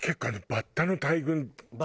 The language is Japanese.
バッタの大群ね。